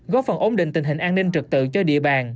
góp phần ổn định tình hình an ninh trật tự cho địa bàn